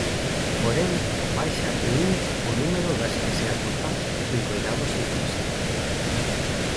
Porén, baixa en un o número das que se atopan en coidados intensivos.